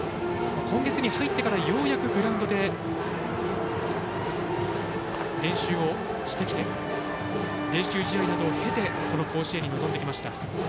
今月に入ってからようやくグラウンドで練習をしてきて練習試合などを経てこの甲子園に臨んできました。